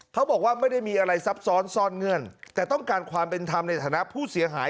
เขาบอกว่าไม่ได้มีอะไรซับซ้อนซ่อนเงื่อนแต่ต้องการความเป็นธรรมในฐานะผู้เสียหาย